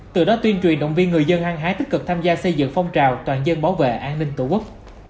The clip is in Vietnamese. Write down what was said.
từ đó tuyên truyền động viên người dân hăng hái tích cực tham gia xây dựng phong trào toàn dân bảo vệ an ninh tổ quốc